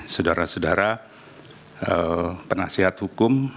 saudara saudara penasihat hukum